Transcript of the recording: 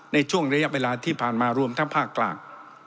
ในช่วงระยะเวลาที่ผ่านมารวมทั้งภาคกลาง